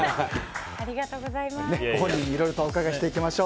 ご本人にいろいろとお伺いしていきましょう。